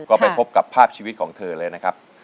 ก็ไปพบกับภาพชีวิตของเธอเลยนะครับ